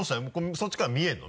そっちから見えるの？